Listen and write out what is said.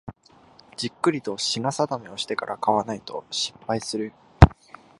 じっくりと品定めしてから買わないと失敗する